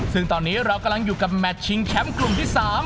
ซึ่งตอนนี้เรากำลังอยู่กับแมทชิงแชมป์กลุ่มที่๓